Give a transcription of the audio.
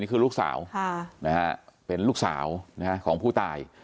นี่คือลูกสาวนะฮะเป็นลูกสาวของผู้ตาย